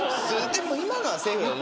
でも今のはセーフだよね？